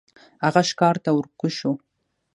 هغه ښکار ته ور کوز شو.